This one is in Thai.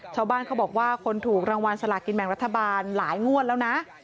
ชาวบ้านเขาบอกว่าคนถูกรางวัลสลากินแบ่งรัฐบาลหลายงวดแล้วนะ